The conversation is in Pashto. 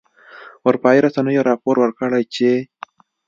اروپایي رسنیو راپور ورکړی چې